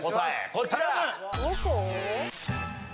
こちら。